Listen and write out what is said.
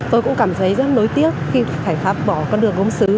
tôi cũng cảm thấy rất nối tiếc khi phải pháp bỏ con đường gốm xứ